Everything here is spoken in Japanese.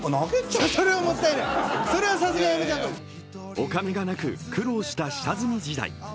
お金がなく、苦労した下積み時代。